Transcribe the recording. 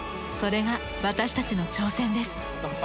それが私たちの挑戦です。